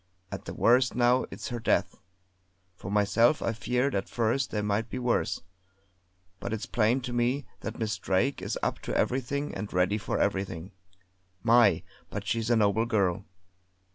At the worst now it's her death! For myself I feared at first there might be worse; but it's plain to me that Miss Drake is up to everything and ready for everything. My! but she's a noble girl!